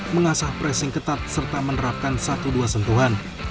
mengasah pressing ketat serta menerapkan satu dua sentuhan